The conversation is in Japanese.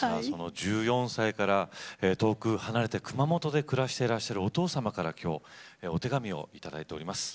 １４歳から遠く離れて熊本で暮らしていらっしゃるお父様から、きょうお手紙をいただいております。